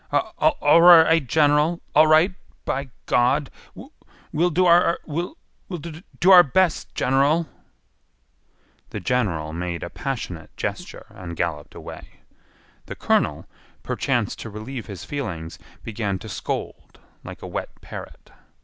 "A all r right, General, all right, by Gawd! We we'll do our—we we'll d d do do our best, General." The general made a passionate gesture and galloped away. The colonel, perchance to relieve his feelings, began to scold like a wet parrot.